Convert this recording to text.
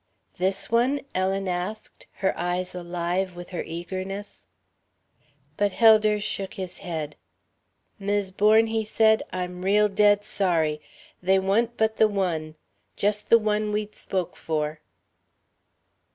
"This one?" Ellen asked, her eyes alive with her eagerness. But Helders shook his head. "Mis' Bourne," he said, "I'm real dead sorry. They wa'n't but the one. Just the one we'd spoke for."